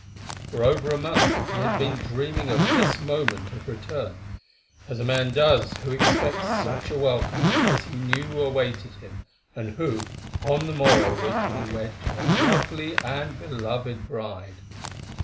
For over a month he had been dreaming of this moment of return, as a man does who expects such a welcome as he knew awaited him, and who on the morrow was to be wed to a lovely and beloved bride.